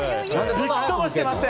びくともしません。